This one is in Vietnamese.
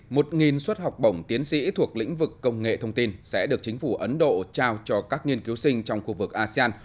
một suất học bổng tiến sĩ thuộc lĩnh vực công nghệ thông tin sẽ được chính phủ ấn độ trao cho các nghiên cứu sinh trong khu vực asean